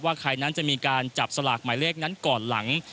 ใครนั้นจะมีการจับสลากหมายเลขนั้นก่อนหลัง